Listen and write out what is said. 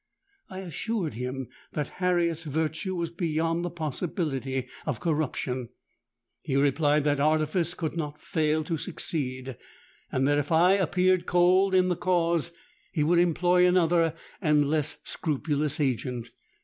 I assured him that Harriet's virtue was beyond the possibility of corruption: he replied that artifice could not fail to succeed, and that if I appeared cold in the cause, he would employ another and less scrupulous agent.